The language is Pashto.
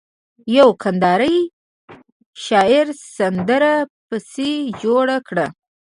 يوه کنداري شاعر سندره پسې جوړه کړه.